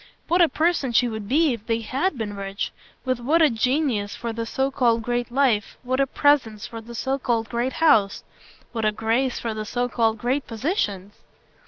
What a person she would be if they HAD been rich with what a genius for the so called great life, what a presence for the so called great house, what a grace for the so called great positions!